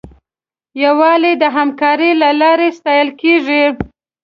یووالی د همکارۍ له لارې ساتل کېږي.